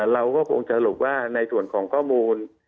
เราก็คงสรุปว่าในส่วนของข้อมูล